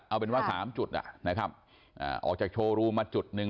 เอาเป็นว่า๓จุดนะครับออกจากโชว์รูมมาจุดหนึ่ง